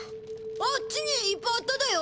あっちにいっぱいあっただよ。